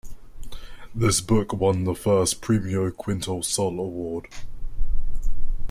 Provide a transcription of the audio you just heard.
This book won the first Premio Quinto Sol award.